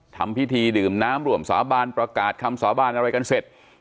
ทำพิธีดื่มน้ำร่วมสาบานประกาศคำสาบานอะไรกันเสร็จ